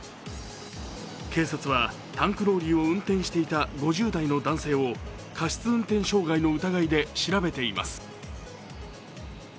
警察は、タンクローリーを運転していた５０代の男性を過失運転傷害の疑いで調べています。